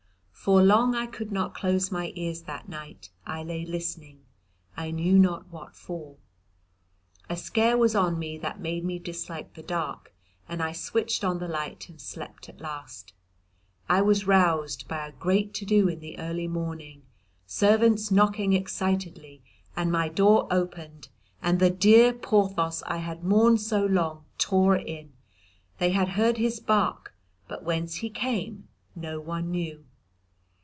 For long I could not close my ears that night: I lay listening, I knew not what for. A scare was on me that made me dislike the dark, and I switched on the light and slept at last. I was roused by a great to do in the early morning, servants knocking excitedly, and my door opened, and the dear Porthos I had mourned so long tore in. They had heard his bark, but whence he came no one knew.